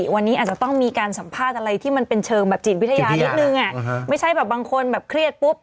ไม่ใช่แบบบางคนแบบเครียดปุ๊บ